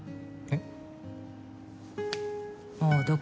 えっ？